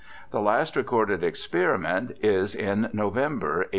The last recorded ex periment is in November, 1833.